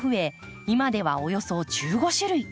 今ではおよそ１５種類。